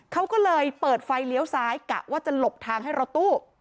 เขาก็เลยเปิดไฟเลี้ยวซ้ายกะว่าจะหลบทางให้รถตู้